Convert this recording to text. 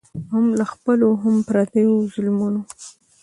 هم له خپلو هم پردیو ظالمانو